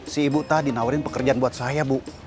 si ibu tadi nawarin pekerjaan buat saya bu